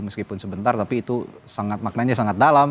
meskipun sebentar tapi itu maknanya sangat dalam